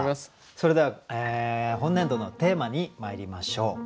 それでは本年度のテーマにまいりましょう。